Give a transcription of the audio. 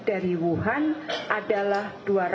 dari wuhan adalah dua ratus lima puluh